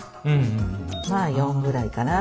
まあ４ぐらいかなあと。